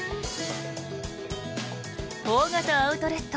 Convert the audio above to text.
大型アウトレット